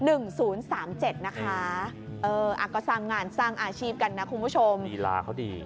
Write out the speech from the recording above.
เอออ่ะก็สร้างงานสร้างอาชีพกันนะคุณผู้ชมลีลาเขาดี